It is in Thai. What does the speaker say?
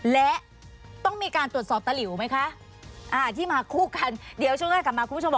และต้องมีการตรวจสอบตะหลิวก่อนไหมคะที่มาคู่กัน